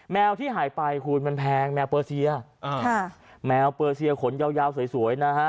แมวที่หายไปคุณมันแพงแมวเปอร์เซียแมวเปอร์เซียขนยาวสวยนะฮะ